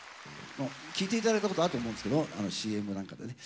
聴いて頂いたことあると思うんですけどＣＭなんかでね。